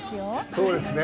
そうですね